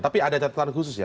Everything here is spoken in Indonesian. tapi ada catatan khusus ya